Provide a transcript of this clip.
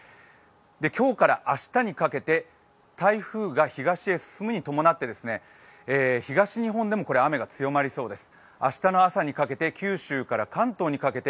今日から明日にかけて、台風が東へ進むに伴って東日本でも雨が強まりそうです。